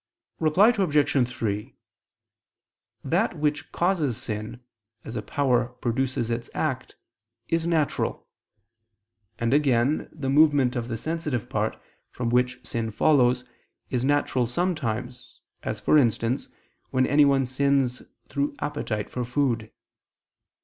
Reply Obj. 3: That which causes sin, as a power produces its act, is natural; and again, the movement of the sensitive part, from which sin follows, is natural sometimes, as, for instance, when anyone sins through appetite for food.